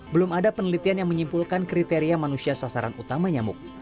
belum ada penelitian yang menyimpulkan kriteria manusia sasaran utama nyamuk